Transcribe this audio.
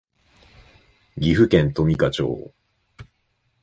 岐阜県富加町